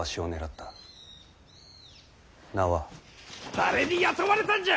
誰に雇われたんじゃ！